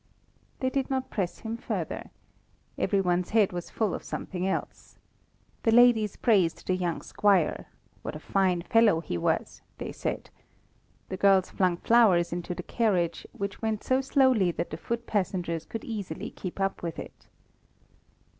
They did not press him further. Every one's head was full of something else. The ladies praised the young squire. What a fine fellow he was, they said. The girls flung flowers into the carriage, which went so slowly that the foot passengers could easily keep up with it.